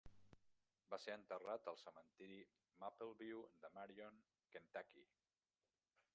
Va ser enterrat al cementiri Mapleview de Marion, Kentucky.